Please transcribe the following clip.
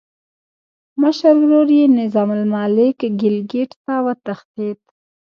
مشر ورور یې نظام الملک ګیلګیت ته وتښتېد.